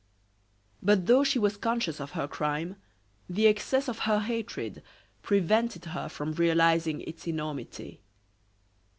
But though she was conscious of her crime, the excess of her hatred prevented her from realizing its enormity.